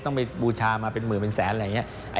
ไปบูชามาเป็นหมื่นเป็นแสนอะไรอย่างนี้